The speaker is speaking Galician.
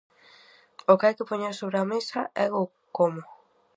O que hai que poñer sobre a mesa é o como.